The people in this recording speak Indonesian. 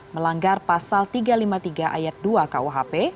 melanggar pasal tiga ratus lima puluh tiga ayat dua kuhp